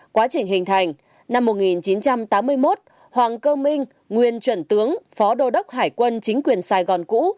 quá trình hình thành năm một nghìn chín trăm tám mươi một hoàng cơ minh nguyên chuẩn tướng phó đô đốc hải quân chính quyền sài gòn cũ